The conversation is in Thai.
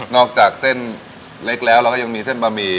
อกจากเส้นเล็กแล้วเราก็ยังมีเส้นบะหมี่